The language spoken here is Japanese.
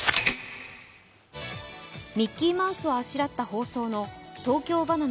ミッキーマウスをあしらった包装の東京ばな